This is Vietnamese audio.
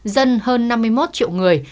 dân hơn năm mươi một triệu người